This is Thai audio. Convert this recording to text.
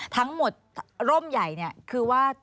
ทั้งหมดร่มใหญ่คือว่า